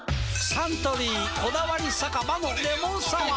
サントリー「こだわり酒場のレモンサワー」